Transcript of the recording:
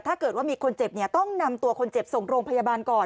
ถ้าเกิดว่ามีคนเจ็บเนี่ยต้องนำตัวคนเจ็บส่งโรงพยาบาลก่อน